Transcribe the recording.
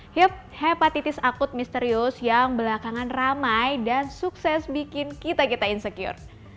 hip hepatitis akut misterius yang belakangan ramai dan sukses bikin kita kita insecure